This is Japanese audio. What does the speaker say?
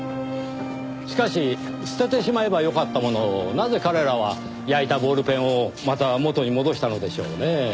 しかし捨ててしまえばよかったものをなぜ彼らは焼いたボールペンをまた元に戻したのでしょうねぇ。